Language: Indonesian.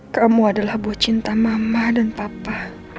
kamu adalah buah cinta mama dan papa